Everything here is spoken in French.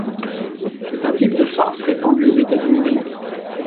C'est un type de farce répandu aux États-Unis d'Amérique.